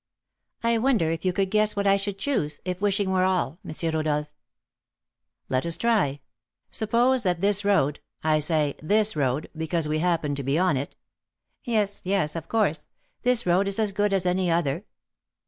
"I wonder if you could guess what I should choose, if wishing were all, M. Rodolph." "Let us try. Suppose that this road I say this road, because we happen to be on it " "Yes, yes, of course; this road is as good as any other."